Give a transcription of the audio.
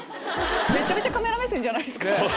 めちゃめちゃカメラ目線じゃないですか。